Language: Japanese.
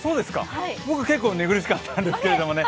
僕、結構寝苦しかったんですけどね。